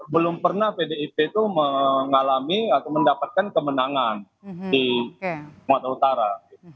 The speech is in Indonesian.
belum pernah pdip itu mengalami atau mendapatkan kemenangan di sumatera utara